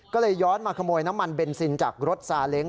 ก็เลยย้อนมาขโมยน้ำมันเบนซินจากรถซาเล้ง